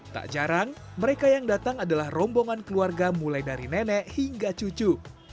tak jarang mereka yang datang adalah rombongan keluarga mulai dari nenek hingga cucu